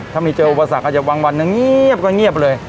ถ้าไม่เจออุปสรรคอาจจะบางวันเงียบก็เงียบเลย